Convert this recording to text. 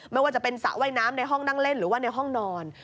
ไม่ว่าจะเป็นสระว่ายน้ำในห้องนั่งเล่นหรือว่าในห้องนอน